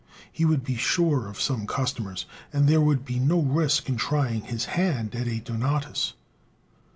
He would be sure of some customers, and there would be no risk in trying his hand at a "Donatus."